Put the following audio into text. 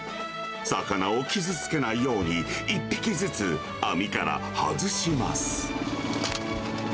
魚を傷つけないように、一匹ずつ網から外します。